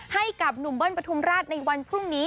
ให้กับหนุ่มเบิ้ลปฐุมราชในวันพรุ่งนี้